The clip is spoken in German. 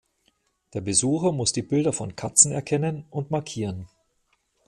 Der Besucher muss die Bilder von Katzen erkennen und markieren.